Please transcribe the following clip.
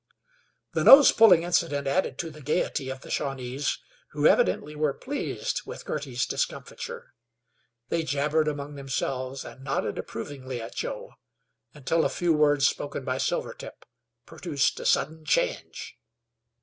The nose pulling incident added to the gayety of the Shawnees, who evidently were pleased with Girty's discomfiture. They jabbered among themselves and nodded approvingly at Joe, until a few words spoken by Silvertip produced a sudden change.